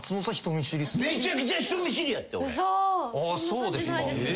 そうですか。